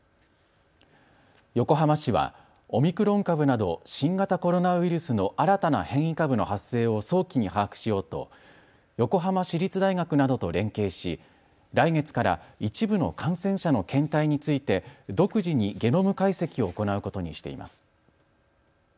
横浜市はオミクロン株など新型コロナウイルスの新たな変異株の発生を早期に把握しようと横浜市立大学などと連携し来月から一部の感染者の検体について独自にゲノム解析を行うことにしています。